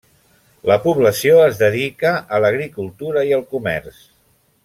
La població es dedica a l'agricultura i el comerç.